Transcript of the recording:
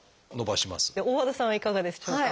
大和田さんはいかがでしょうか。